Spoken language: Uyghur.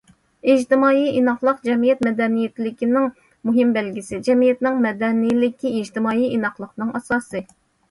ئىجتىمائىي ئىناقلىق جەمئىيەت مەدەنىيلىكىنىڭ مۇھىم بەلگىسى، جەمئىيەتنىڭ مەدەنىيلىكى ئىجتىمائىي ئىناقلىقنىڭ ئاساسى.